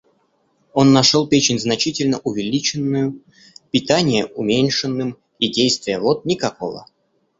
Он нашел печень значительно увеличенною, питание уменьшенным и действия вод никакого.